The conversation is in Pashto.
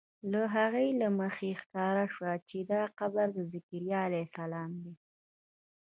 له هغې له مخې ښکاره شوه چې دا قبر د ذکریا علیه السلام دی.